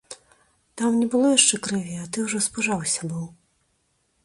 Там не было яшчэ крыві, а ты ўжо спужаўся быў.